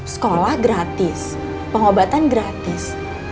sekolah gratis pengobatan gratis